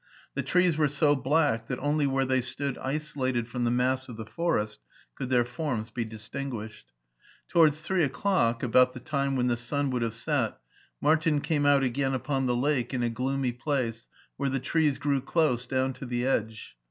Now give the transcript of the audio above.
The trees were so black that only where they stood isolated from the mass of the forest could their forms be distinguished. To wards three o'clock, about the time when the sun would have set, Martin came out again upon the lake in a gloomy place where the trees grew dose down to the edge.